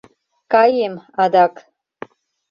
— Каем адак...